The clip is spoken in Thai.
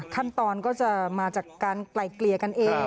ขั้นตอนก็จะมาจากการไกลเกลี่ยกันเอง